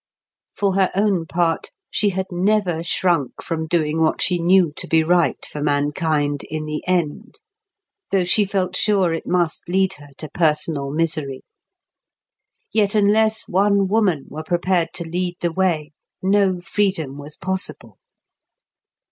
For her own part, she had never shrunk from doing what she knew to be right for mankind in the end, though she felt sure it must lead her to personal misery. Yet unless one woman were prepared to lead the way, no freedom was possible.